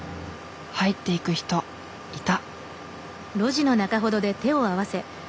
入っていく人いた！